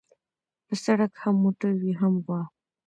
په سړک هم موټر وي هم غوا.